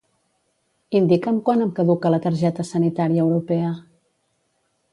Indica'm quan em caduca la targeta sanitària europea.